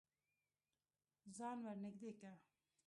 ځان ور نږدې که.